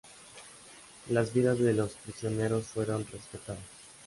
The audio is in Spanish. Las vidas de los prisioneros fueron respetadas.